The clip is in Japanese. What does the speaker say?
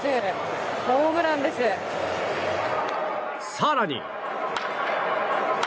更に。